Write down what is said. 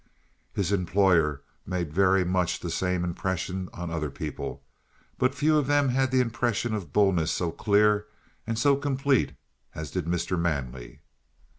His employer made very much the same impression on other people, but few of them had the impression of bullness so clear and so complete as did Mr. Manley.